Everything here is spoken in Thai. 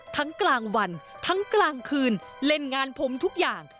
กลางวันทั้งกลางคืนเล่นงานผมทุกอย่าง